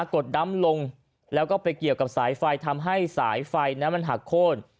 กดดำลงแล้วก็ไปเกี่ยวกับสายไฟทำให้สายไฟนั้นมันหักโค้น